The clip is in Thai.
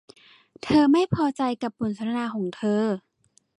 เธอไม่พอใจกับบทสนทนาของเธอ